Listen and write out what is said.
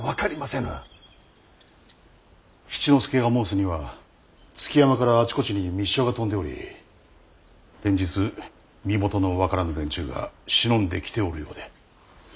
七之助が申すには築山からあちこちに密書が飛んでおり連日身元の分からぬ連中が忍んで来ておるようで。